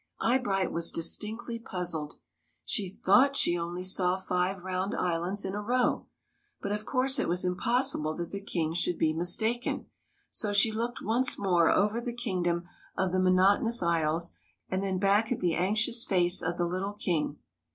Eyebright was distinctly puzzled. She thought she only saw five round islands in a row. But, of course, it was impossible that the King should be mistaken. So she looked once more over the kingdom of the Monotonous Isles and then back at the anxious face of the little King.